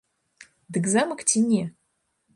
Дык замак ці не?